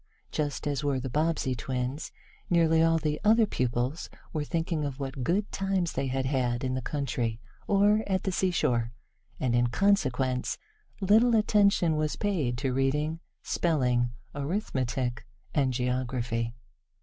Just as were the Bobbsey twins, nearly all the other pupils were thinking of what good times they had had in the country, or at the seashore, and in consequence little attention was paid to reading, spelling, arithmetic and geography.